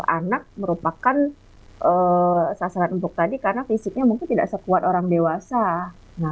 anak merupakan sasaran untuk tadi karena fisiknya mungkin tidak sekuat orang dewasa nah